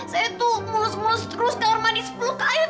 saya tuh mulus mulus terus daun manis sepuluh kaya